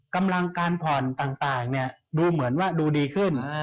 กำลังการผ่อนต่างดูเหมือนว่าดูดีขึ้น